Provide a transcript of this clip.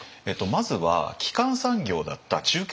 まずは基幹産業だった中継